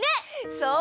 そう！